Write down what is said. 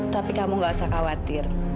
tapi kamu gak usah khawatir